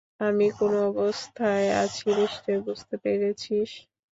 আমি কোন অবস্থায় আছি নিশ্চয় বুঝতে পেরেছিস।